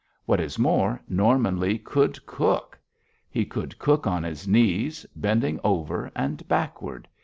What is more, Norman Lee could cook. He could cook on his knees, bending over, and backward.